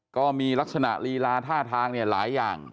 ก็มีลักษณะลีลาท่าทางหลายอย่าง